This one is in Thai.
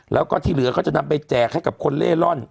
แล้วก็ที่เหลือเขาจะนำไปแจกให้กับคนเล่ร่อน